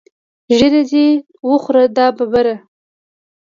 ږیره دې وخوره دا ببره.